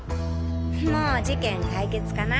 もう事件解決かな。